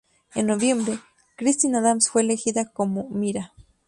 En noviembre, Christine Adams fue elegida como Mira.